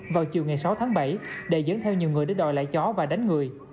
vào chiều ngày sáu tháng bảy đệ dẫn theo nhiều người để đòi lại chó và đánh người